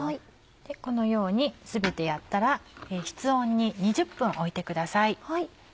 このように全てやったら室温に２０分置いてください。